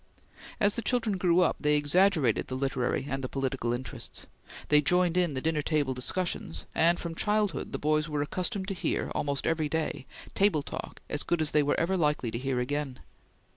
As the children grew up, they exaggerated the literary and the political interests. They joined in the dinner table discussions and from childhood the boys were accustomed to hear, almost every day, table talk as good as they were ever likely to hear again.